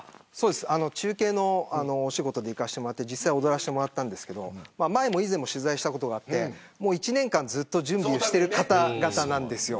中継のお仕事で行かせてもらって踊らせてもらったんですけど以前も取材したことがあって１年間準備している方々なんですよ。